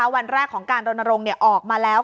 วันแรกของการรณรงค์ออกมาแล้ว